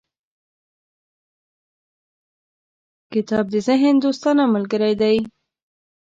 • کتاب د ذهن دوستانه ملګری دی.